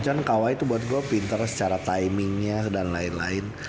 cuma kawai itu buat gue pinter secara timingnya dan lain lain